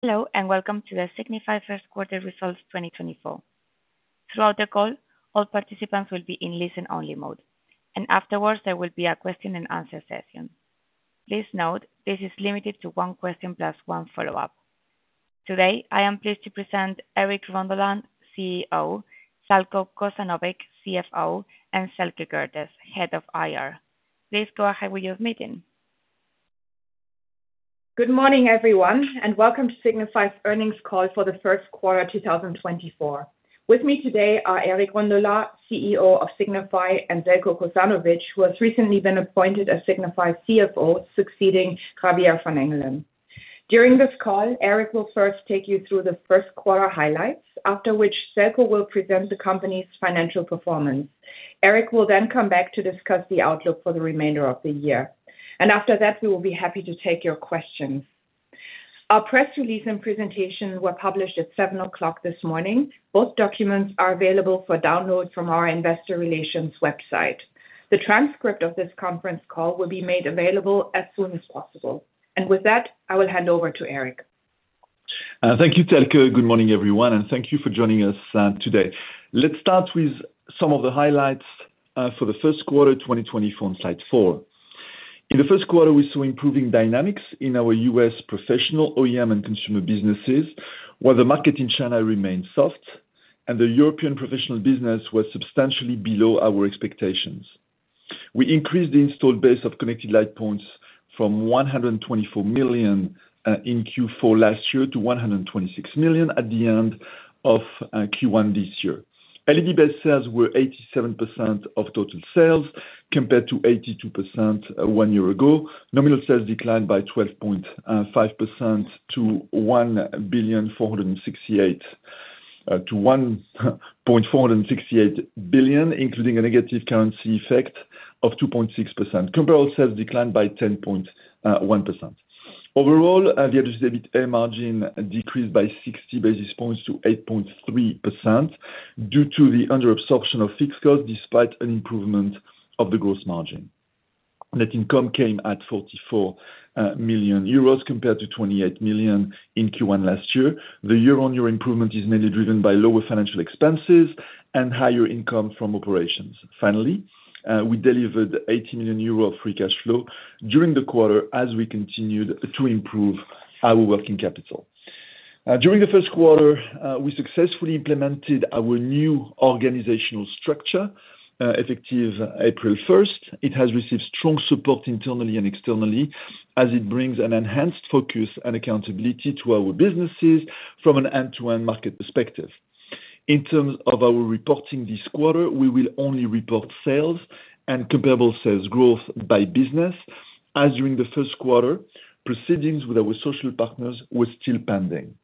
Hello, and welcome to the Signify First Quarter Results 2024. Throughout the call, all participants will be in listen-only mode, and afterwards there will be a question and answer session. Please note, this is limited to one question plus one follow-up. Today, I am pleased to present Eric Rondolat, CEO, Željko Kosanović, CFO, and Thelke Gerdes, Head of IR. Please go ahead with your meeting. Good morning, everyone, and welcome to Signify's earnings call for the first quarter, 2024. With me today are Eric Rondolat, CEO of Signify, and Željko Kosanović, who has recently been appointed as Signify's CFO, succeeding Javier van Engelen. During this call, Eric will first take you through the first quarter highlights, after which Željko will present the company's financial performance. Eric will then come back to discuss the outlook for the remainder of the year, and after that, we will be happy to take your questions. Our press release and presentation were published at 7:00 A.M. this morning. Both documents are available for download from our investor relations website. The transcript of this conference call will be made available as soon as possible. With that, I will hand over to Eric. Thank you, Thelke. Good morning, everyone, and thank you for joining us, today. Let's start with some of the highlights, for the first quarter, 2024 on slide 4. In the first quarter, we saw improving dynamics in our U.S. professional OEM and consumer businesses, while the market in China remained soft and the European professional business was substantially below our expectations. We increased the installed base of connected light points from 124 million, in Q4 last year to 126 million at the end of, Q1 this year. LED-based sales were 87% of total sales, compared to 82% one year ago. Nominal sales declined by 12.5% to 1.468 billion, including a negative currency effect of 2.6%. Comparable sales declined by 10.1%. Overall, the Adjusted EBITA margin decreased by 60 basis points to 8.3%, due to the under absorption of fixed costs, despite an improvement of the gross margin. Net income came at 44 million euros compared to 28 million in Q1 last year. The year-on-year improvement is mainly driven by lower financial expenses and higher income from operations. Finally, we delivered 80 million euro of free cash flow during the quarter as we continued to improve our working capital. During the first quarter, we successfully implemented our new organizational structure, effective April first. It has received strong support internally and externally, as it brings an enhanced focus and accountability to our businesses from an end-to-end market perspective. In terms of our reporting this quarter, we will only report sales and comparable sales growth by business, as during the first quarter, proceedings with our social partners were still pending.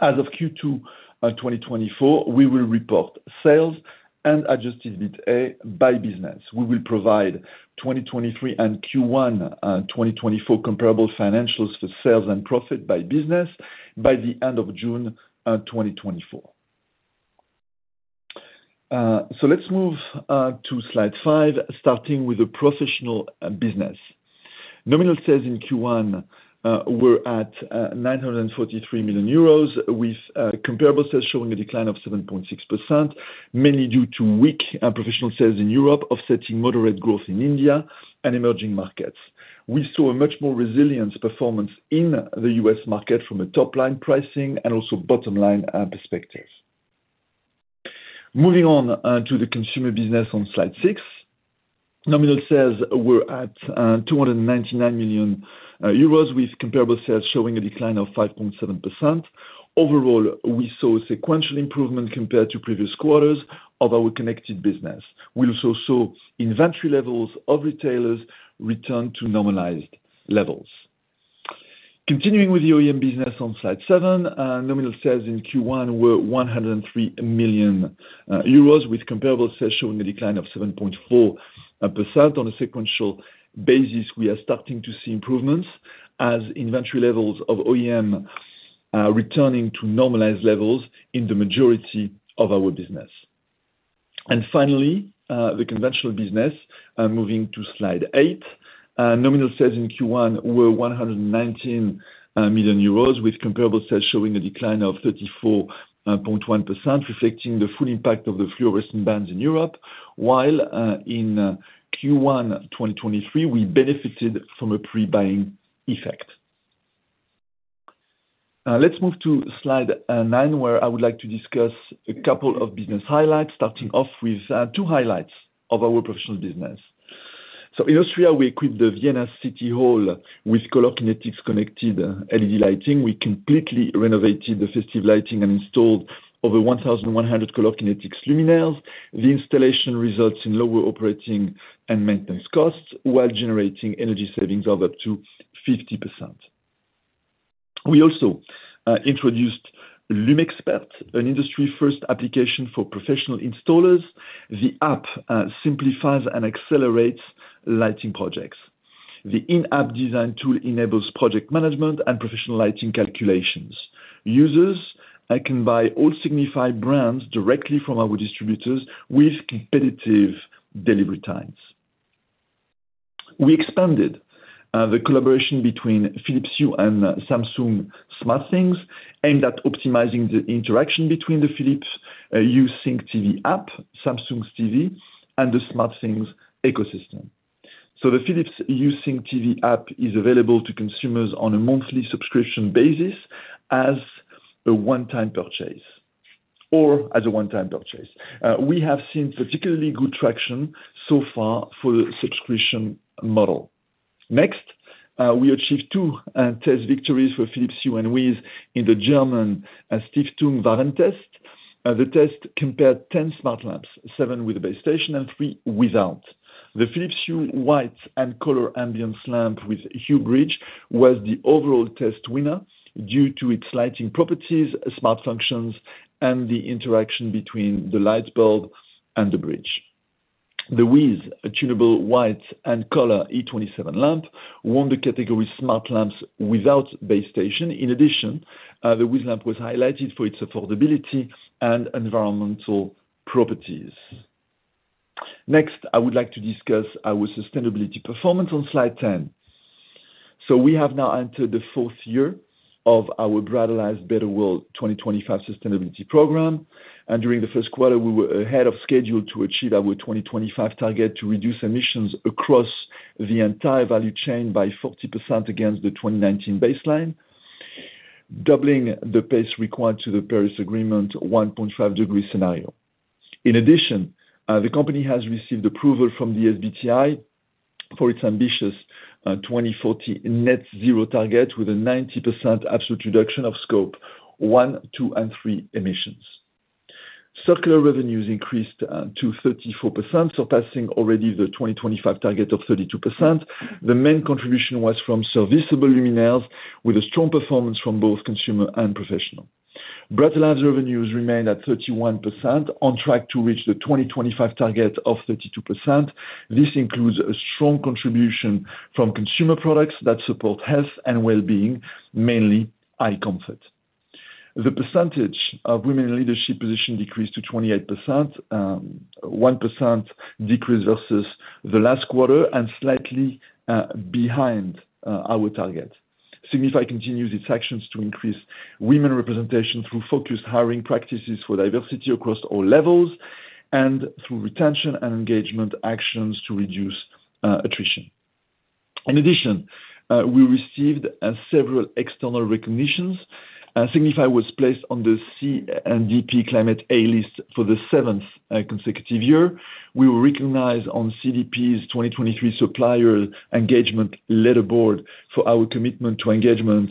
As of Q2 2024, we will report sales and adjusted EBITA by business. We will provide 2023 and Q1 2024 comparable financials for sales and profit by business by the end of June 2024. So let's move to slide 5, starting with the professional business. Nominal sales in Q1 were at 943 million euros, with comparable sales showing a decline of 7.6%, mainly due to weak professional sales in Europe, offsetting moderate growth in India and emerging markets. We saw a much more resilient performance in the US market from a top-line pricing and also bottom-line perspective. Moving on, to the consumer business on slide 6. Nominal sales were at 299 million euros, with comparable sales showing a decline of 5.7%. Overall, we saw sequential improvement compared to previous quarters of our connected business. We also saw inventory levels of retailers return to normalized levels. Continuing with the OEM business on slide 7, nominal sales in Q1 were 103 million euros, with comparable sales showing a decline of 7.4%. On a sequential basis, we are starting to see improvements as inventory levels of OEM returning to normalized levels in the majority of our business. And finally, the conventional business, moving to slide 8. Nominal sales in Q1 were 119 million euros, with comparable sales showing a decline of 34.1%, reflecting the full impact of the fluorescent bans in Europe, while in Q1 2023, we benefited from a pre-buying effect. Let's move to slide 9, where I would like to discuss a couple of business highlights, starting off with two highlights of our professional business. So in Austria, we equipped the Vienna City Hall with Color Kinetics connected LED lighting. We completely renovated the festive lighting and installed over 1,100 Color Kinetics luminaires. The installation results in lower operating and maintenance costs, while generating energy savings of up to 50%. We also introduced LumXpert, an industry-first application for professional installers. The app simplifies and accelerates lighting projects. The in-app design tool enables project management and professional lighting calculations. Users can buy all Signify brands directly from our distributors with competitive delivery times. We expanded the collaboration between Philips Hue and Samsung SmartThings, aimed at optimizing the interaction between the Philips Hue Sync TV app, Samsung's TV, and the SmartThings ecosystem. So the Philips Hue Sync TV app is available to consumers on a monthly subscription basis as a one-time purchase, or as a one-time purchase. We have seen particularly good traction so far for the subscription model. Next, we achieved two test victories for Philips Hue and WiZ in the German Stiftung Warentest. The test compared 10 smart lamps, seven with a base station and three without. The Philips Hue White and Color Ambiance lamp with Hue Bridge was the overall test winner, due to its lighting properties, smart functions, and the interaction between the light bulb and the bridge. The WiZ Tunable White and Color E27 lamp won the category Smart Lamps Without Base Station. In addition, the WiZ lamp was highlighted for its affordability and environmental properties. Next, I would like to discuss our sustainability performance on Slide 10. We have now entered the fourth year of our Brighter Lives, Better World 2025 sustainability program, and during the first quarter, we were ahead of schedule to achieve our 2025 target to reduce emissions across the entire value chain by 40% against the 2019 baseline, doubling the pace required to the Paris Agreement 1.5-degree scenario. In addition, the company has received approval from the SBTi for its ambitious, 2040 net zero target, with a 90% absolute reduction of Scope 1, 2, and 3 emissions. Circular revenues increased to 34%, surpassing already the 2025 target of 32%. The main contribution was from serviceable luminaires, with a strong performance from both consumer and professional. Brighter Lives revenues remained at 31%, on track to reach the 2025 target of 32%. This includes a strong contribution from consumer products that support health and well-being, mainly eye comfort. The percentage of women in leadership position decreased to 28%, one percent decrease versus the last quarter, and slightly behind our target. Signify continues its actions to increase women representation through focused hiring practices for diversity across all levels, and through retention and engagement actions to reduce attrition. In addition, we received several external recognitions. Signify was placed on the CDP Climate A List for the seventh consecutive year. We were recognized on CDP's 2023 Supplier Engagement Leaderboard for our commitment to engagement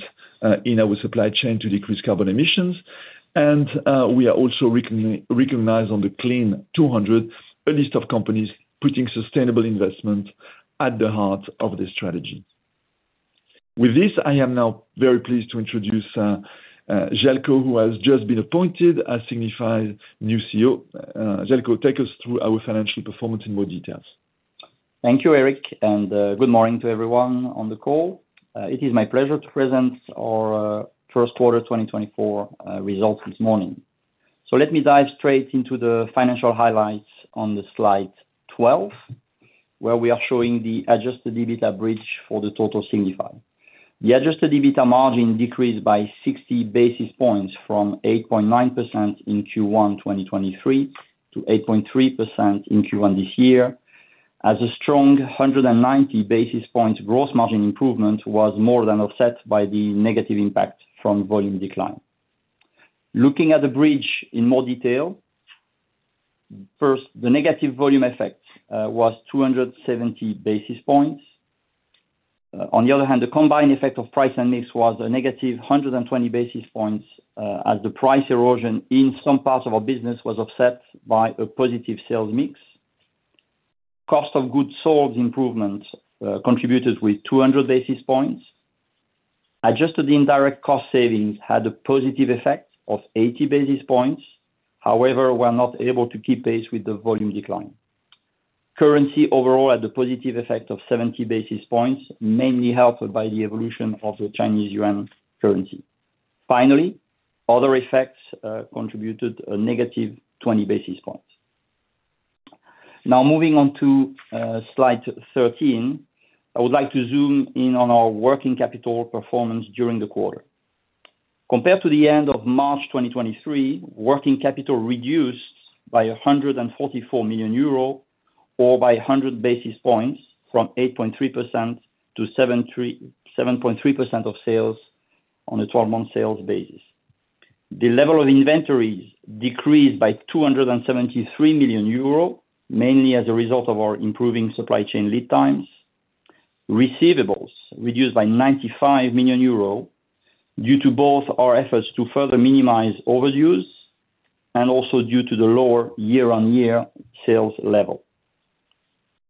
in our supply chain to decrease carbon emissions. We are also recognized on the Clean200, a list of companies putting sustainable investment at the heart of their strategy. With this, I am now very pleased to introduce Željko, who has just been appointed as Signify's new CFO. Željko, take us through our financial performance in more details. Thank you, Eric, and good morning to everyone on the call. It is my pleasure to present our first quarter 2024 results this morning. Let me dive straight into the financial highlights on slide 12, where we are showing the adjusted EBITA bridge for the total Signify. The adjusted EBITA margin decreased by 60 basis points from 8.9% in Q1 2023 to 8.3% in Q1 this year, as a strong 190 basis points gross margin improvement was more than offset by the negative impact from volume decline. Looking at the bridge in more detail, first, the negative volume effect was 270 basis points. On the other hand, the combined effect of price and mix was a negative 120 basis points, as the price erosion in some parts of our business was offset by a positive sales mix. Cost of goods sold improvements contributed with 200 basis points. Adjusted the indirect cost savings had a positive effect of 80 basis points. However, we're not able to keep pace with the volume decline. Currency overall had a positive effect of 70 basis points, mainly helped by the evolution of the Chinese yuan currency. Finally, other effects contributed a negative 20 basis points. Now, moving on to slide 13, I would like to zoom in on our working capital performance during the quarter. Compared to the end of March 2023, working capital reduced by 144 million euro, or by 100 basis points from 8.3% to 7.3% of sales on a 12-month sales basis. The level of inventories decreased by 273 million euros, mainly as a result of our improving supply chain lead times. Receivables reduced by 95 million euros, due to both our efforts to further minimize overdues, and also due to the lower year-on-year sales level.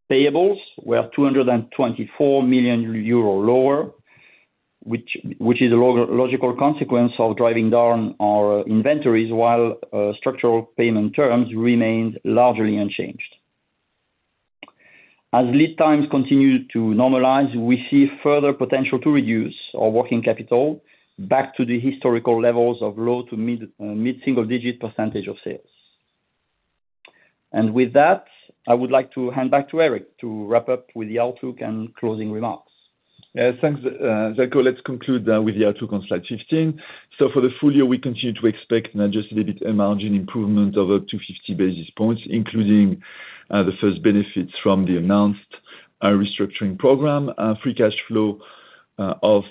Payables were 224 million euro lower, which is a logical consequence of driving down our inventories, while structural payment terms remained largely unchanged. As lead times continue to normalize, we see further potential to reduce our working capital back to the historical levels of low to mid-single-digit percentage of sales... With that, I would like to hand back to Eric to wrap up with the outlook and closing remarks. Thanks, Zeljko. Let's conclude with the outlook on slide 15. So for the full year, we continue to expect an adjusted EBITA margin improvement of up to 50 basis points, including the first benefits from the announced restructuring program. Free cash flow of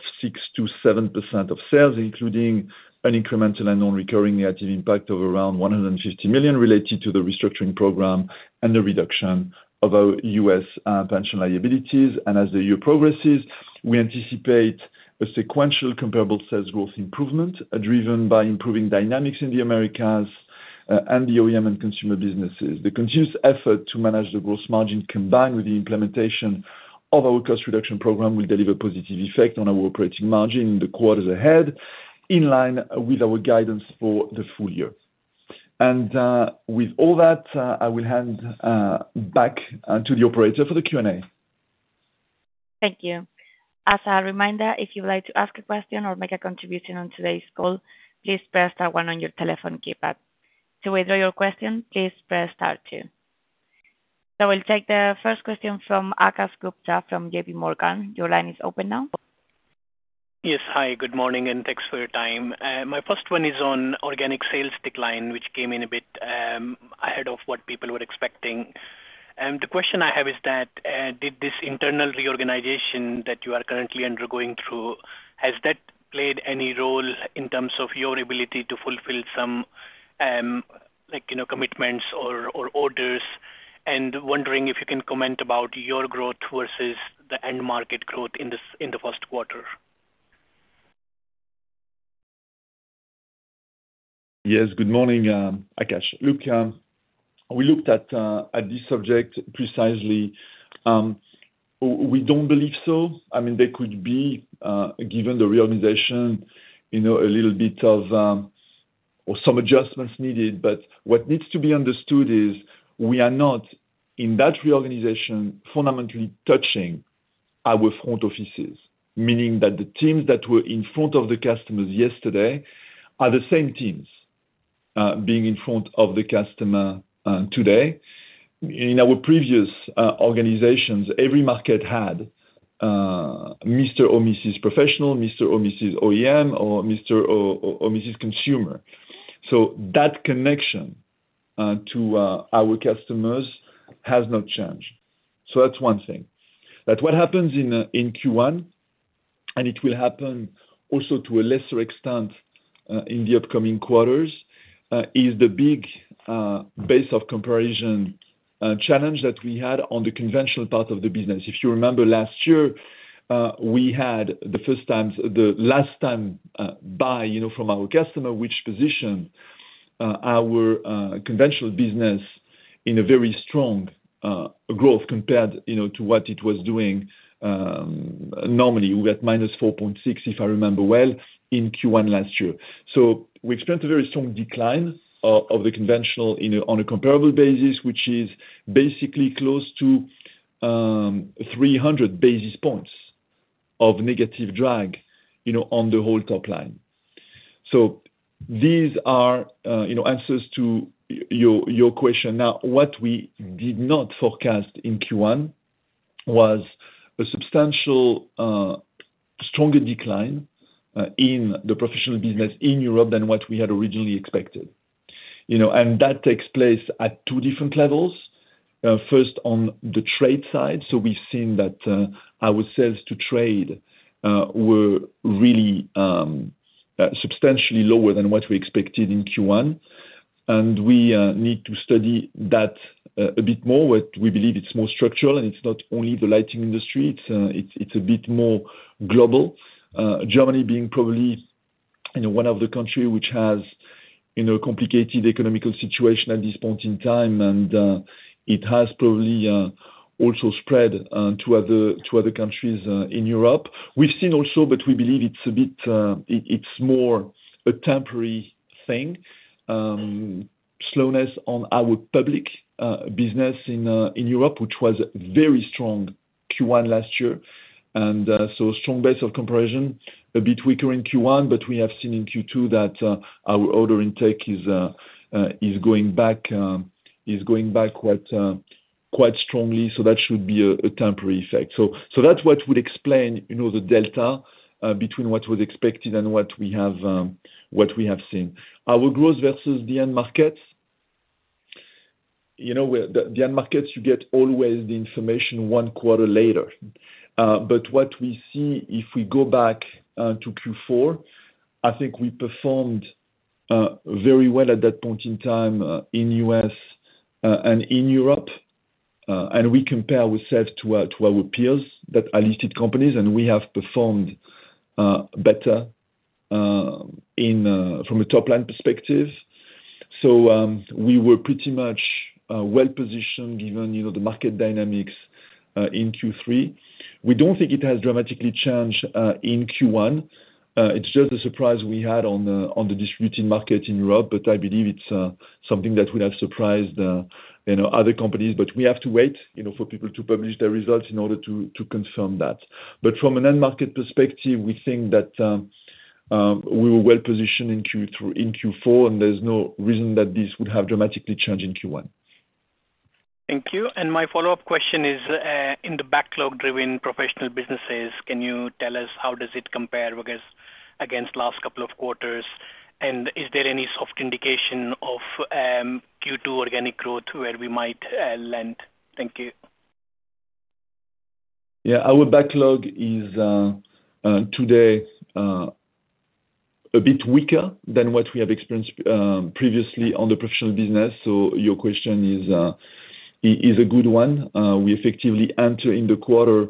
6%-7% of sales, including an incremental and non-recurring negative impact of around 150 million related to the restructuring program and the reduction of our U.S. pension liabilities. And as the year progresses, we anticipate a sequential comparable sales growth improvement, driven by improving dynamics in the Americas and the OEM and consumer businesses. The continuous effort to manage the gross margin, combined with the implementation of our cost reduction program, will deliver positive effect on our operating margin in the quarters ahead, in line with our guidance for the full year. With all that, I will hand back to the operator for the Q&A. Thank you. As a reminder, if you'd like to ask a question or make a contribution on today's call, please press star one on your telephone keypad. To withdraw your question, please press star two. So we'll take the first question from Akash Gupta from J.P. Morgan. Your line is open now. Yes. Hi, good morning, and thanks for your time. My first one is on organic sales decline, which came in a bit ahead of what people were expecting. The question I have is that, did this internal reorganization that you are currently undergoing through, has that played any role in terms of your ability to fulfill some, like, you know, commitments or orders? Wondering if you can comment about your growth versus the end market growth in this, in the first quarter. Yes, good morning, Akash. Look, we looked at this subject precisely. We don't believe so. I mean, there could be, given the reorganization, you know, a little bit of or some adjustments needed. But what needs to be understood is, we are not, in that reorganization, fundamentally touching our front offices. Meaning that the teams that were in front of the customers yesterday are the same teams being in front of the customer today. In our previous organizations, every market had Mr. or Mrs. Professional, Mr. or Mrs. OEM, or Mr. or Mrs. Consumer. So that's one thing. But what happens in Q1, and it will happen also to a lesser extent in the upcoming quarters, is the big base of comparison challenge that we had on the conventional part of the business. If you remember last year, we had, the first time, the last time buy, you know, from our customer, which positioned our conventional business in a very strong growth compared, you know, to what it was doing normally. We got -4.6, if I remember well, in Q1 last year. So we experienced a very strong decline of the conventional in a on a comparable basis, which is basically close to 300 basis points of negative drag, you know, on the whole top line. So these are, you know, answers to your question. Now, what we did not forecast in Q1 was a substantial stronger decline in the professional business in Europe than what we had originally expected. You know, and that takes place at two different levels. First, on the trade side, so we've seen that our sales to trade were really substantially lower than what we expected in Q1, and we need to study that a bit more. But we believe it's more structural, and it's not only the lighting industry, it's a bit more global. Germany being probably, you know, one of the countries which has, you know, a complicated economic situation at this point in time, and it has probably also spread to other countries in Europe. We've seen also, but we believe it's a bit more a temporary thing, slowness on our public business in Europe, which was very strong in Q1 last year. So strong base of comparison, a bit weaker in Q1, but we have seen in Q2 that our order intake is going back quite strongly, so that should be a temporary effect. So that's what would explain, you know, the delta between what was expected and what we have seen. Our growth versus the end markets, you know, the end markets, you get always the information one quarter later. But what we see if we go back to Q4, I think we performed very well at that point in time in U.S. and in Europe. And we compare ourselves to our peers that are listed companies, and we have performed better from a top-line perspective. So, we were pretty much well positioned, given, you know, the market dynamics in Q3. We don't think it has dramatically changed in Q1. It's just a surprise we had on the distributing market in Europe, but I believe it's something that would have surprised, you know, other companies. But we have to wait, you know, for people to publish their results in order to confirm that. But from an end market perspective, we think that... We were well positioned in Q4, and there's no reason that this would have dramatically changed in Q1. Thank you. My follow-up question is, in the backlog-driven professional businesses, can you tell us how does it compare, because against last couple of quarters? Is there any soft indication of Q2 organic growth where we might land? Thank you. Yeah, our backlog is today a bit weaker than what we have experienced previously on the professional business. So your question is a good one. We effectively enter in the quarter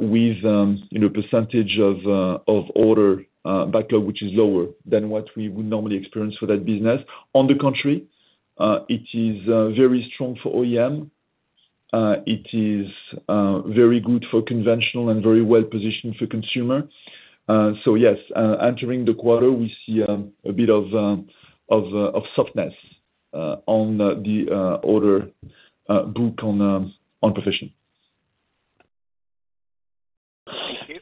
with, you know, percentage of order backlog, which is lower than what we would normally experience for that business. On the contrary, it is very strong for OEM. It is very good for conventional and very well positioned for consumer. So yes, entering the quarter, we see a bit of softness on the order book on professional. Thank you.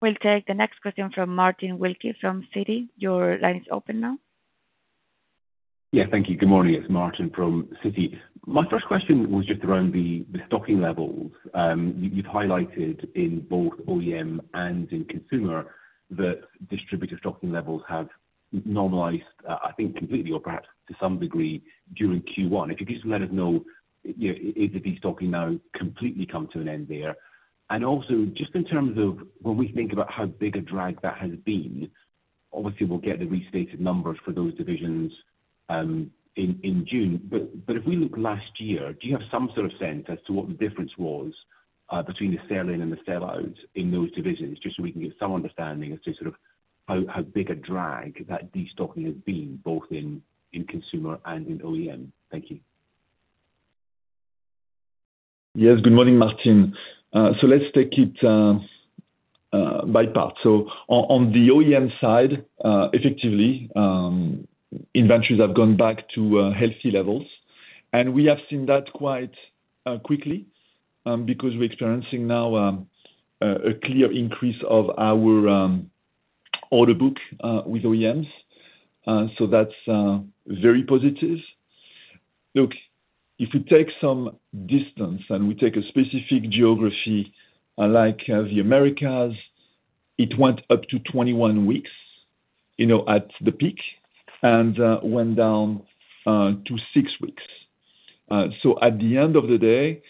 We'll take the next question from Martin Wilkie, from Citi. Your line is open now. Yeah, thank you. Good morning, it's Martin from Citi. My first question was just around the stocking levels. You've highlighted in both OEM and in consumer, that distributor stocking levels have normalized, I think, completely or perhaps to some degree, during Q1. If you could just let us know, yeah, if the destocking now completely come to an end there. And also, just in terms of when we think about how big a drag that has been, obviously we'll get the restated numbers for those divisions, in June, but if we look last year, do you have some sort of sense as to what the difference was, between the sell-in and the sell outs in those divisions? Just so we can get some understanding as to sort of how big a drag that destocking has been, both in consumer and in OEM. Thank you. Yes, good morning, Martin. So let's take it by part. So on the OEM side, effectively, inventories have gone back to healthy levels, and we have seen that quite quickly, because we're experiencing now a clear increase of our order book with OEMs. So that's very positive. Look, if you take some distance and we take a specific geography, unlike the Americas, it went up to 21 weeks, you know, at the peak, and went down to 6 weeks. So at the end of the day,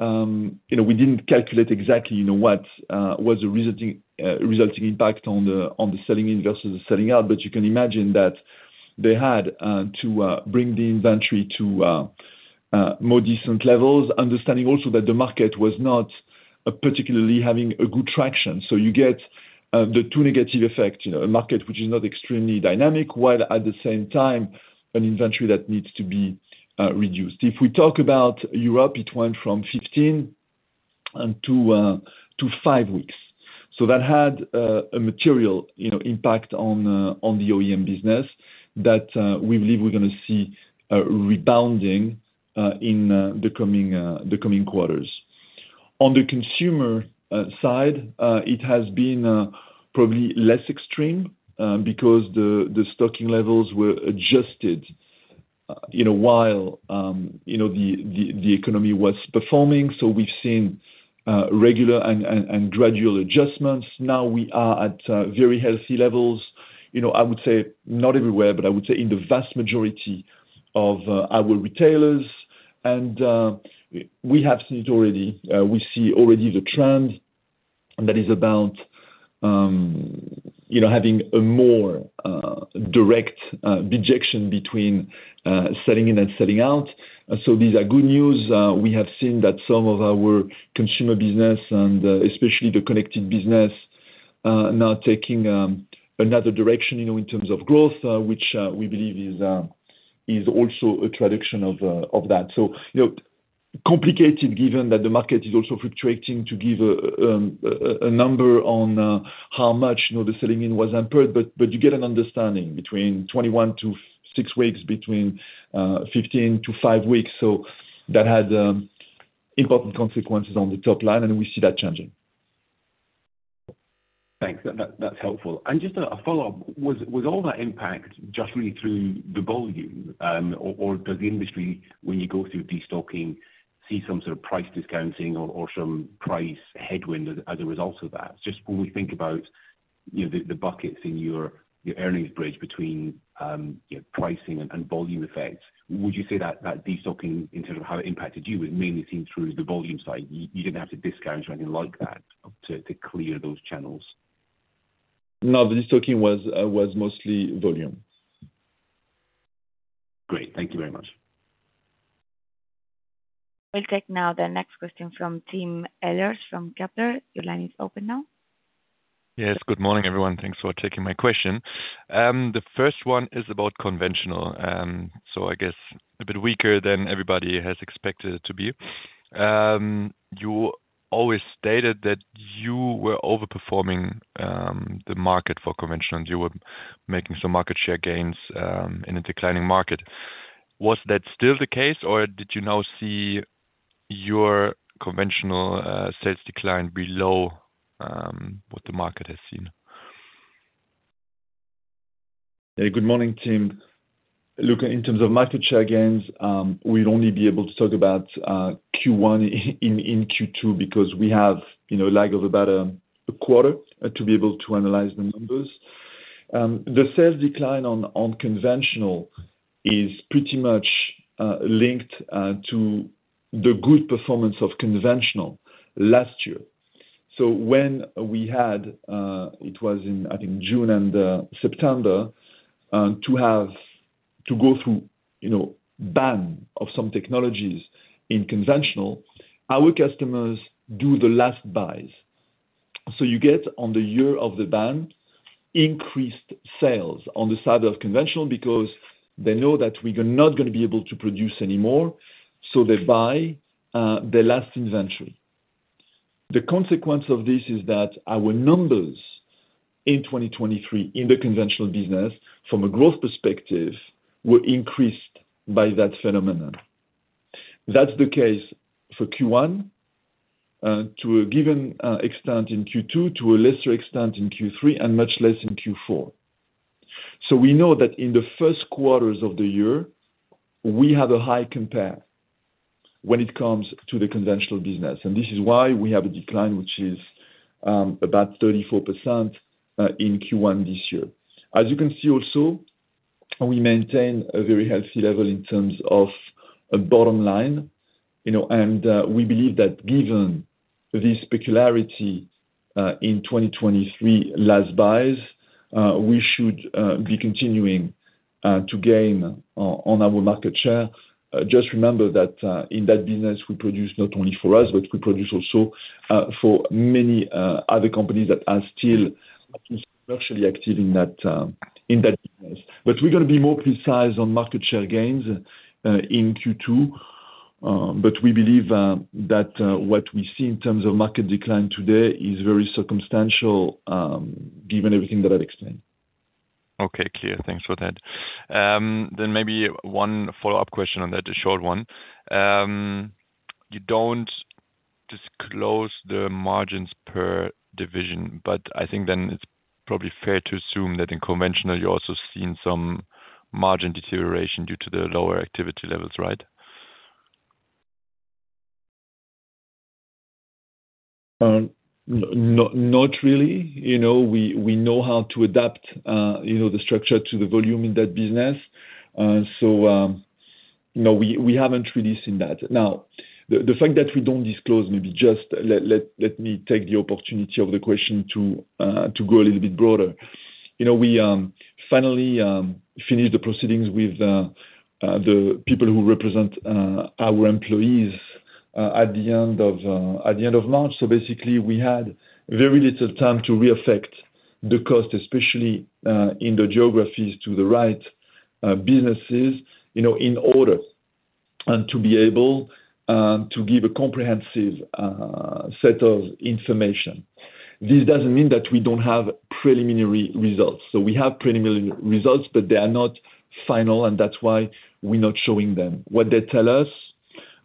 you know, we didn't calculate exactly, you know, what was the resulting resulting impact on the on the selling in versus the selling out, but you can imagine that they had to bring the inventory to more decent levels. Understanding also that the market was not particularly having a good traction. So you get the two negative effect, you know, a market which is not extremely dynamic, while at the same time, an inventory that needs to be reduced. If we talk about Europe, it went from 15 to 5 weeks. So that had a material, you know, impact on on the OEM business that we believe we're gonna see rebounding in the coming the coming quarters. On the consumer side, it has been probably less extreme, because the stocking levels were adjusted, you know, while you know, the economy was performing. So we've seen regular and gradual adjustments. Now we are at very healthy levels. You know, I would say not everywhere, but I would say in the vast majority of our retailers, and we have seen it already. We see already the trend that is about you know, having a more direct connection between selling in and selling out. So these are good news. We have seen that some of our consumer business and, especially the connected business, now taking another direction, you know, in terms of growth, which we believe is also a tradition of that. So, look, complicated, given that the market is also fluctuating to give a number on how much, you know, the selling in was impaired, but you get an understanding between 21-6 weeks, between 15-5 weeks. So that had important consequences on the top line, and we see that changing. Thanks. That, that's helpful. And just a follow-up. Was all that impact just really through the volume, or does the industry, when you go through destocking, see some sort of price discounting or some price headwind as a result of that? Just when we think about, you know, the buckets in your earnings bridge between, you know, pricing and volume effects, would you say that destocking in terms of how it impacted you, it mainly seen through the volume side. You didn't have to discount or anything like that to clear those channels? No, the destocking was mostly volume. Great. Thank you very much. We'll take now the next question from Tim Ehlers from Kepler. Your line is open now. Yes, good morning, everyone. Thanks for taking my question. The first one is about conventional, so I guess a bit weaker than everybody has expected it to be. You always stated that you were overperforming, the market for conventional, and you were making some market share gains, in a declining market. Was that still the case, or did you now see your conventional sales decline below what the market has seen? Hey, good morning, Tim. Look, in terms of market share gains, we'd only be able to talk about Q1 in Q2, because we have, you know, lag of about a quarter to be able to analyze the numbers. The sales decline on conventional is pretty much linked to the good performance of conventional last year. So when we had it was in, I think, June and September to have to go through, you know, ban of some technologies in conventional, our customers do the last buys. So you get on the year of the ban, increased sales on the side of conventional, because they know that we are not gonna be able to produce any more, so they buy the last inventory. The consequence of this is that our numbers in 2023 in the conventional business, from a growth perspective, were increased by that phenomenon. That's the case for Q1 to a given extent in Q2, to a lesser extent in Q3, and much less in Q4. So we know that in the first quarters of the year, we have a high compare when it comes to the conventional business. And this is why we have a decline, which is about 34% in Q1 this year. As you can see also, we maintain a very healthy level in terms of a bottom line, you know, and we believe that given this peculiarity in 2023 last buys, we should be continuing to gain on our market share. Just remember that, in that business, we produce not only for us, but we produce also for many other companies that are still structurally active in that business. But we're gonna be more precise on market share gains in Q2. But we believe that what we see in terms of market decline today is very circumstantial, given everything that I've explained. Okay, clear. Thanks for that. Then maybe one follow-up question on that, a short one. You don't disclose the margins per division, but I think then it's probably fair to assume that in conventional, you're also seeing some margin deterioration due to the lower activity levels, right? Not really. You know, we know how to adapt, you know, the structure to the volume in that business. So, no, we haven't really seen that. Now, the fact that we don't disclose, maybe just let me take the opportunity of the question to go a little bit broader. You know, we finally finished the proceedings with the people who represent our employees at the end of March. So basically, we had very little time to reaffect the cost, especially in the geographies to the right businesses, you know, in order and to be able to give a comprehensive set of information. This doesn't mean that we don't have preliminary results. So we have preliminary results, but they are not final, and that's why we're not showing them. What they tell us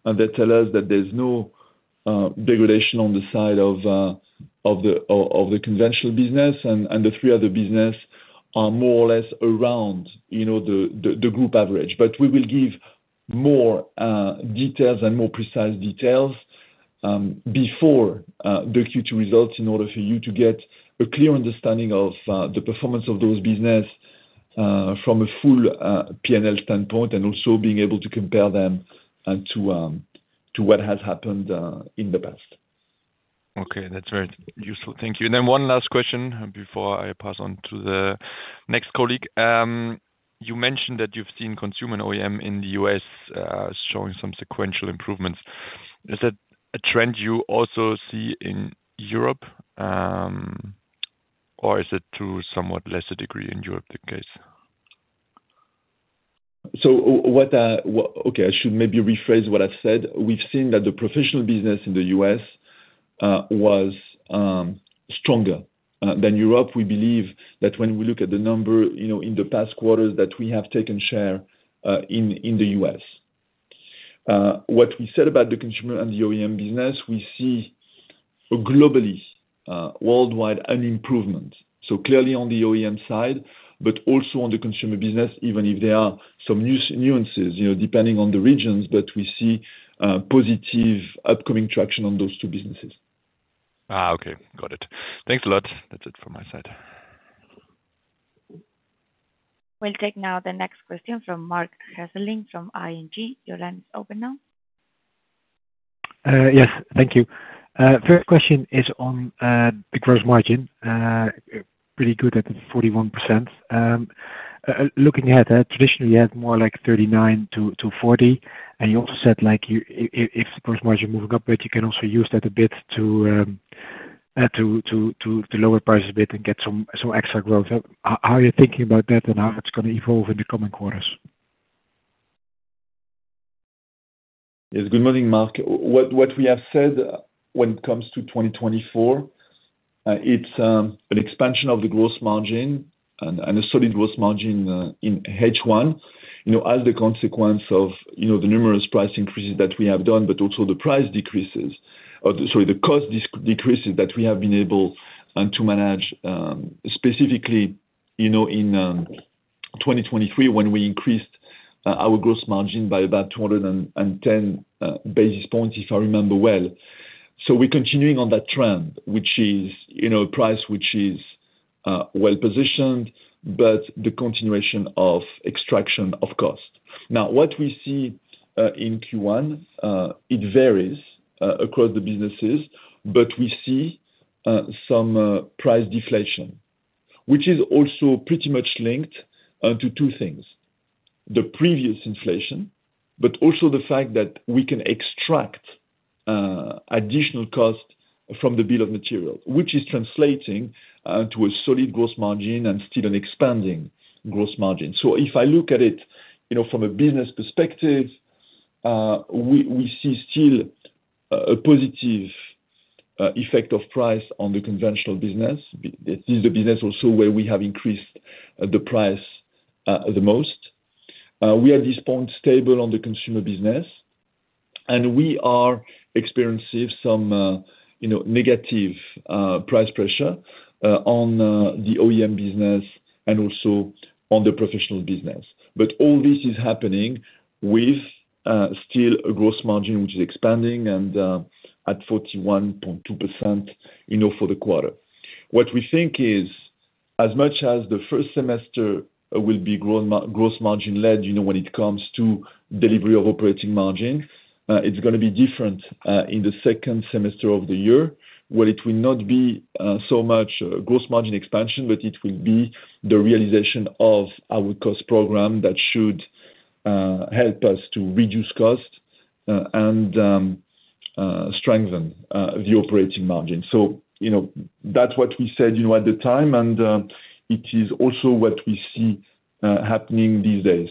is that there's no degradation on the side of the conventional business, and the three other business are more or less around, you know, the group average. But we will give more details and more precise details before the future results, in order for you to get a clear understanding of the performance of those business from a full P&L standpoint, and also being able to compare them to what has happened in the past. Okay. That's very useful. Thank you. And then one last question before I pass on to the next colleague. You mentioned that you've seen consumer OEM in the U.S., showing some sequential improvements. Is that a trend you also see in Europe, or is it to somewhat lesser degree in Europe the case? So, what? Okay, I should maybe rephrase what I've said. We've seen that the professional business in the U.S. was stronger than Europe. We believe that when we look at the number, you know, in the past quarters, that we have taken share in the U.S. What we said about the consumer and the OEM business, we see globally, worldwide, an improvement, so clearly on the OEM side, but also on the consumer business, even if there are some nuances, you know, depending on the regions, but we see positive upcoming traction on those two businesses. Ah, okay. Got it. Thanks a lot. That's it from my side. We'll take now the next question from Marc Hesselink from ING. Your line is open now. Yes, thank you. First question is on the gross margin, pretty good at 41%. Looking at that, traditionally, you had more like 39%-40%, and you also said, like, if the gross margin moving up, but you can also use that a bit to lower prices a bit and get some extra growth. How are you thinking about that, and how it's gonna evolve in the coming quarters?... Yes, good morning, Marc. What we have said when it comes to 2024, it's an expansion of the gross margin and a solid gross margin in H1, you know, as a consequence of, you know, the numerous price increases that we have done, but also the price decreases. Sorry, the cost decreases that we have been able to manage, specifically, you know, in 2023 when we increased our gross margin by about 210 basis points, if I remember well. So we're continuing on that trend, which is, you know, price, which is well positioned, but the continuation of extraction of cost. Now, what we see in Q1, it varies across the businesses, but we see some price deflation, which is also pretty much linked to two things: the previous inflation, but also the fact that we can extract additional cost from the bill of material, which is translating to a solid gross margin and still an expanding gross margin. So if I look at it, you know, from a business perspective, we see still a positive effect of price on the conventional business. This is the business also where we have increased the price the most. We are at this point stable on the consumer business, and we are experiencing some, you know, negative price pressure on the OEM business and also on the professional business. But all this is happening with still a gross margin, which is expanding and at 41.2%, you know, for the quarter. What we think is, as much as the first semester will be gross margin-led, you know, when it comes to delivery of operating margin, it's gonna be different in the second semester of the year, where it will not be so much gross margin expansion, but it will be the realization of our cost program that should help us to reduce cost and strengthen the operating margin. So, you know, that's what we said, you know, at the time, and it is also what we see happening these days.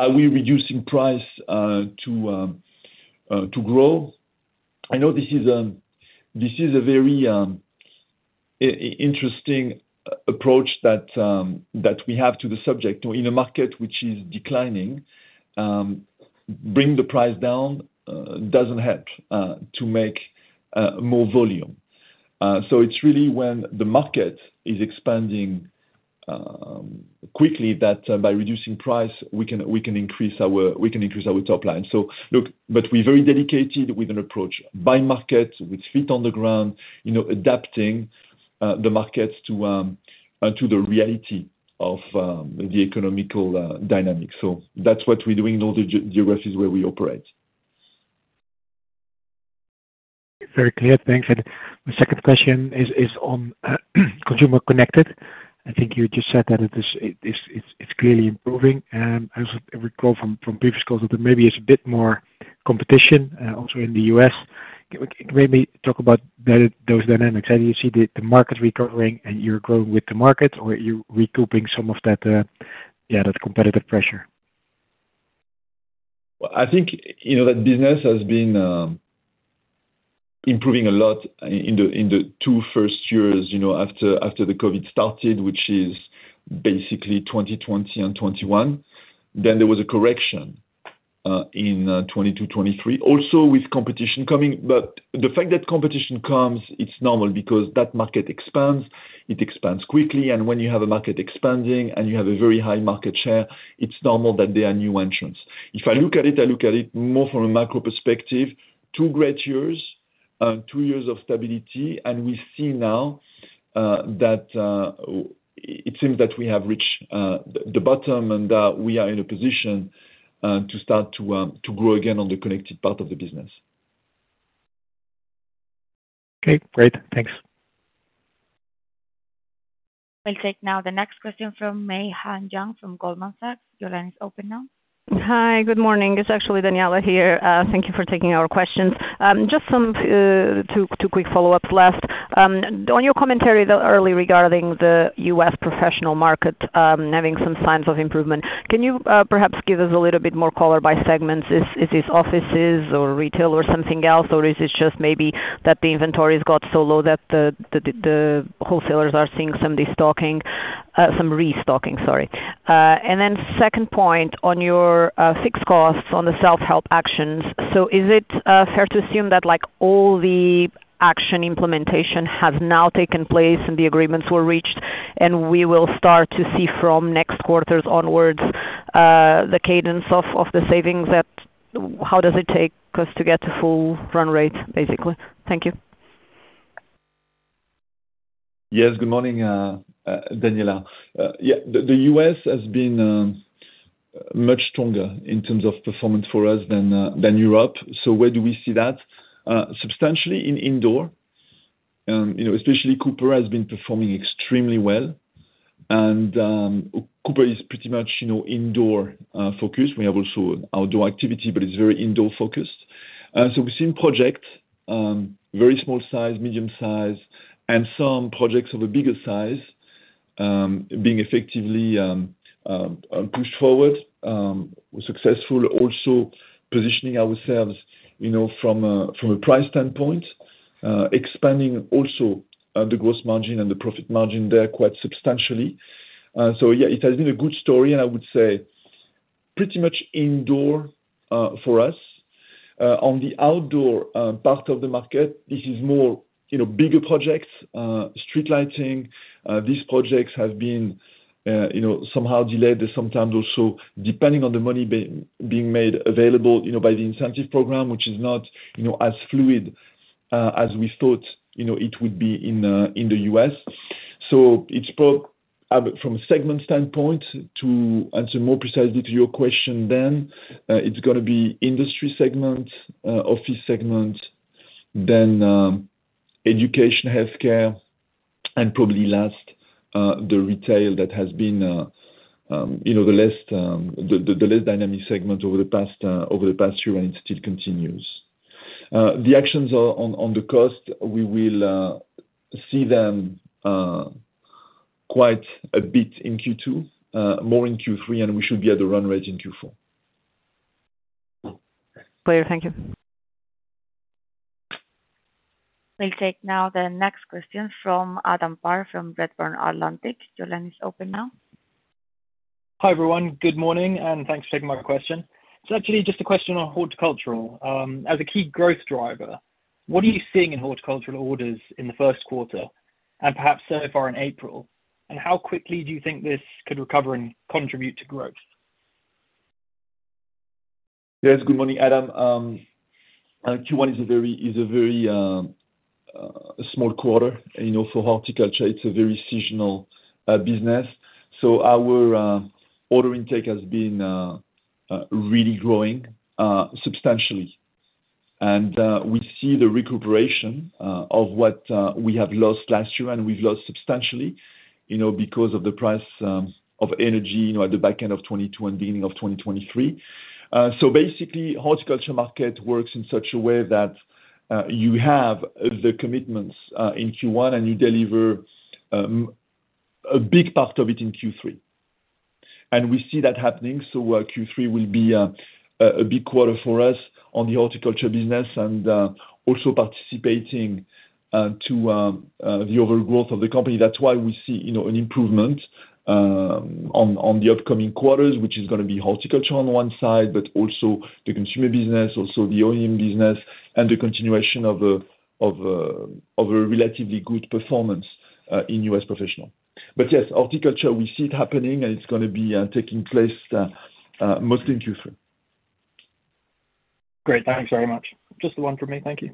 Are we reducing price to grow? I know this is a very interesting approach that we have to the subject to, in a market which is declining, bring the price down doesn't help to make more volume. So it's really when the market is expanding quickly that by reducing price, we can increase our top line. So look, but we're very dedicated with an approach by market, with feet on the ground, you know, adapting the markets to the reality of the economic dynamic. So that's what we're doing in all the geographies where we operate. Very clear. Thanks. The second question is on consumer connected. I think you just said that it is clearly improving. As I recall from previous calls, that maybe it's a bit more competition also in the U.S. Can we maybe talk about those dynamics better, how do you see the market recovering, and you're growing with the market, or are you recouping some of that competitive pressure? Well, I think, you know, that business has been improving a lot in the two first years, you know, after the COVID started, which is basically 2020 and 2021. Then there was a correction in 2022, 2023, also with competition coming. But the fact that competition comes, it's normal because that market expands, it expands quickly, and when you have a market expanding and you have a very high market share, it's normal that there are new entrants. If I look at it, I look at it more from a macro perspective, two great years, two years of stability, and we see now that it seems that we have reached the bottom, and we are in a position to start to grow again on the connected part of the business. Okay, great. Thanks. We'll take now the next question from Meihan Yang from Goldman Sachs. Your line is open now. Hi, good morning. It's actually Daniela here. Thank you for taking our questions. Just some two quick follow-ups last. On your commentary, the early regarding the US professional market, having some signs of improvement, can you perhaps give us a little bit more color by segments? Is this offices or retail or something else, or is it just maybe that the inventories got so low that the wholesalers are seeing some destocking, some restocking, sorry. And then second point on your fixed costs on the self-help actions, so is it fair to assume that, like, all the action implementation has now taken place and the agreements were reached, and we will start to see from next quarters onwards the cadence of the savings that...How does it take us to get to full run rate, basically? Thank you. Yes, good morning, Daniela. Yeah, the U.S. has been much stronger in terms of performance for us than Europe. So where do we see that? Substantially in indoor, you know, especially Cooper has been performing extremely well. And, Cooper is pretty much, you know, indoor focused. We have also outdoor activity, but it's very indoor focused. So we've seen project very small size, medium size, and some projects of a bigger size being effectively pushed forward, we're successful also positioning ourselves, you know, from a price standpoint, expanding also the gross margin and the profit margin there quite substantially. So yeah, it has been a good story, and I would say pretty much indoor for us. On the outdoor part of the market, this is more, you know, bigger projects, street lighting. These projects have been, you know, somehow delayed, sometimes also depending on the money being made available, you know, by the incentive program, which is not, you know, as fluid, as we thought, you know, it would be in, in the U.S. So it's both, from a segment standpoint, to answer more precisely to your question then, it's gonna be industry segment, office segment, then, education, healthcare, and probably last, the retail that has been, you know, the least, the least dynamic segment over the past year, and it still continues. The actions are on the cost, we will see them quite a bit in Q2, more in Q3, and we should be at the run rate in Q4. Clear. Thank you. We'll take now the next question from Adam Parr, from Redburn Atlantic. Your line is open now. Hi, everyone. Good morning, and thanks for taking my question. It's actually just a question on horticultural. As a key growth driver, what are you seeing in horticultural orders in the first quarter, and perhaps so far in April? And how quickly do you think this could recover and contribute to growth? Yes, good morning, Adam. Q1 is a very small quarter, you know, for horticulture. It's a very seasonal business. So our order intake has been really growing substantially. And we see the recuperation of what we have lost last year, and we've lost substantially, you know, because of the price of energy, you know, at the back end of 2022 and beginning of 2023. So basically, horticulture market works in such a way that you have the commitments in Q1, and you deliver a big part of it in Q3, and we see that happening. So Q3 will be a big quarter for us on the horticulture business and also participating to the overall growth of the company. That's why we see, you know, an improvement on the upcoming quarters, which is gonna be horticulture on one side, but also the consumer business, also the OEM business, and the continuation of a relatively good performance in U.S. professional. But yes, horticulture, we see it happening, and it's gonna be taking place mostly in Q3. Great, thanks very much. Just the one for me. Thank you.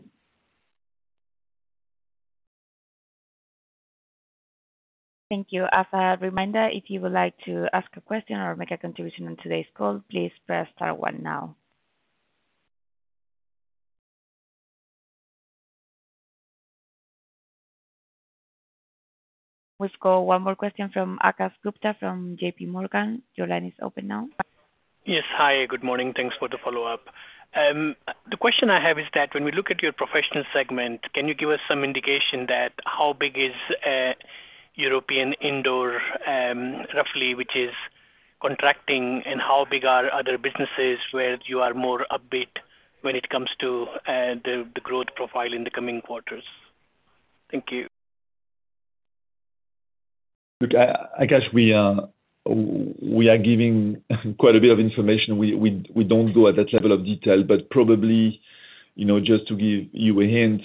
Thank you. As a reminder, if you would like to ask a question or make a contribution on today's call, please press star one now. We've got one more question from Akash Gupta from J.P. Morgan. Your line is open now. Yes. Hi, good morning. Thanks for the follow-up. The question I have is that when we look at your professional segment, can you give us some indication that how big is European indoor, roughly, which is contracting, and how big are other businesses where you are more upbeat when it comes to the growth profile in the coming quarters? Thank you. Look, Akash, we are giving quite a bit of information. We don't go at that level of detail, but probably, you know, just to give you a hint.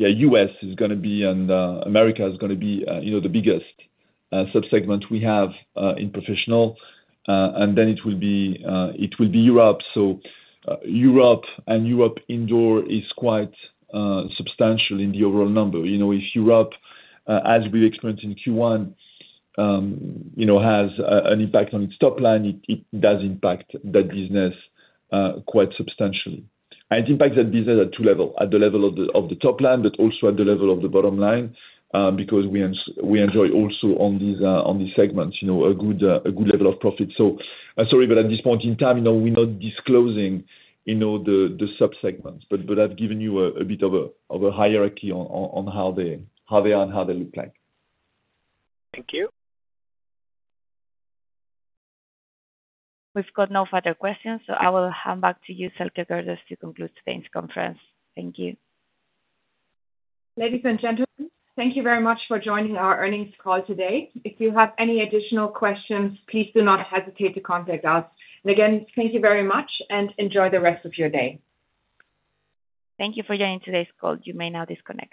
Yeah, US is gonna be and America is gonna be, you know, the biggest sub-segment we have in professional, and then it will be Europe. So, Europe and Europe indoor is quite substantial in the overall number. You know, if Europe, as we experienced in Q1, you know, has a, an impact on its top line, it does impact that business quite substantially. And it impacts that business at two level, at the level of the top line, but also at the level of the bottom line, because we enjoy also on these segments, you know, a good level of profit. So, sorry, but at this point in time, you know, we're not disclosing the sub-segments, but I've given you a bit of a hierarchy on how they are and how they look like. Thank you. We've got no further questions, so I will hand back to you, Thelke Gerdes, to conclude today's conference. Thank you. Ladies and gentlemen, thank you very much for joining our earnings call today. If you have any additional questions, please do not hesitate to contact us. Again, thank you very much, and enjoy the rest of your day. Thank you for joining today's call. You may now disconnect.